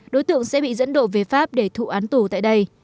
đối tượng sẽ bị dẫn độ về pháp để thụ án tù tại đây